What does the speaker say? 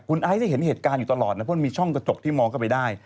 คุณไอซ์ได้เห็นเหตุการณ์อยู่ตลอดนะเพราะมันมีช่องกระจกที่มองเข้าไปได้